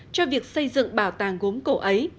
cho việc xây dựng bảo tàng gốm cổ ấy